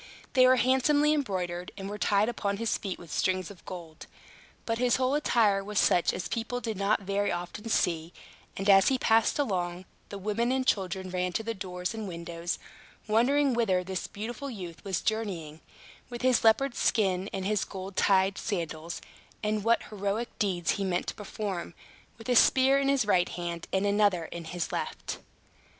They were handsomely embroidered, and were tied upon his feet with strings of gold. But his whole attire was such as people did not very often see; and as he passed along, the women and children ran to the doors and windows, wondering whither this beautiful youth was journeying, with his leopard's skin and his golden tied sandals, and what heroic deeds he meant to perform, with a spear in his right hand and another in his left.